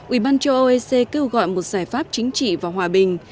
ubnd cho oec kêu gọi một giải pháp chính trị và hòa bình